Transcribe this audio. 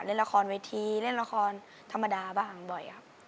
เล่นละครเวทีเล่นละครธรรมดาบ้างบ่อยครับ